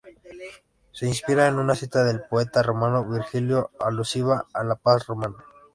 Se inspira en una cita del poeta romano Virgilio alusiva a la paz romana.